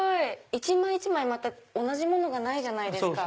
一枚一枚同じものがないじゃないですか。